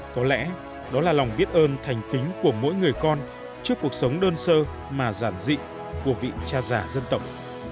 có lẽ đó là lòng biết ơn thành kính của mỗi người con trước cuộc sống đơn sơ mà giản dị của vị cha giả dân tộc